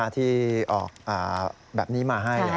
ที่ออกแบบนี้มาให้